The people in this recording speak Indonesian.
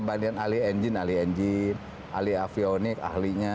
bandingan ahli engine ahli engine ahli avionik ahlinya